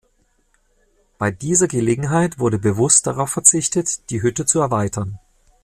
Bei dieser Gelegenheit wurde bewusst darauf verzichtet, die Hütte zu erweitern.